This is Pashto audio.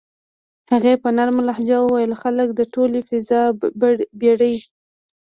هغې په نرمه لهجه وویل: "خلک د ټولې فضايي بېړۍ.